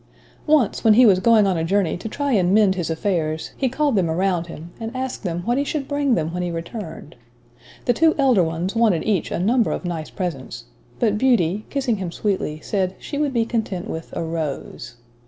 Once, when he was going on a journey to try and mend his affairs, he called them around him, and asked them what he should bring them when he returned. The two elder ones wanted each a number of nice presents; but Beauty, kissing him sweetly, said she would be content with a rose.